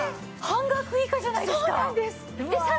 半額以下じゃないですか。